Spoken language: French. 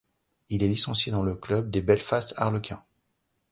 Il est licencié dans le club des Belfast Harlequins.